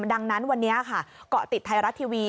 ดังนั้นวันนี้ค่ะเกาะติดไทยรัฐทีวี